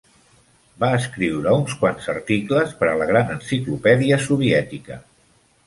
Va escriure uns quants articles per a la Gran Enciclopèdia Soviètica.